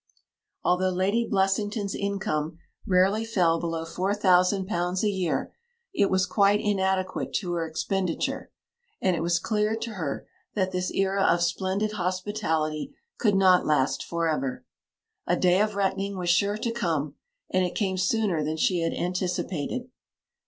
Although Lady Blessington's income rarely fell below £4,000 a year, it was quite inadequate to her expenditure; and it was clear to her that this era of splendid hospitality could not last for ever. A day of reckoning was sure to come; and it came sooner than she had anticipated.